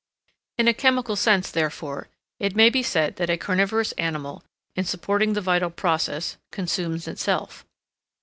In a chemical sense, therefore, it may be said that a carnivorous animal, in supporting the vital process, consumes itself.